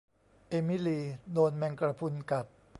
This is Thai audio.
เอมิลีโดนแมงกระพรุนกัด